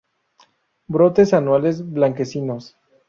Brotes anuales, blanquecinos.